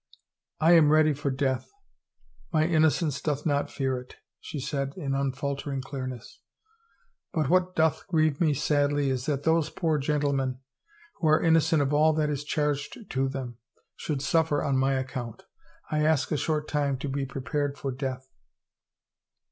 *' I am ready for death — my innocence doth not fear it," she said in unfaltering clearness, " but what doth grieve me sadly is that those poor gentlemen, who are innocent of all that is charged to them, should suffer on my account. ... I ask a short time to be prepared for death.'